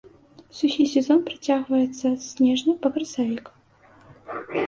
Сухі сезон працягваецца з снежня па красавік.